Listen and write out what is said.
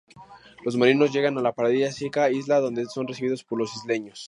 Los marinos llegan a la paradisíaca isla, donde son recibidos por los isleños.